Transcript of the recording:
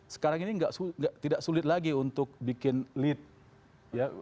sekarang ini tidak sulit lagi untuk bikin lead